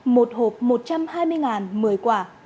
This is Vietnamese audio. một hộp một trăm hai mươi một mươi quả